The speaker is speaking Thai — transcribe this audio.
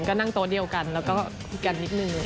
ก็นั่งโต๊ะเดียวกันแล้วก็คุยกันนิดนึง